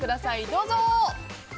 どうぞ！